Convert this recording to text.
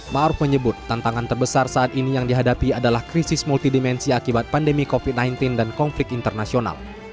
⁇ maruf menyebut tantangan terbesar saat ini yang dihadapi adalah krisis multidimensi akibat pandemi covid sembilan belas dan konflik internasional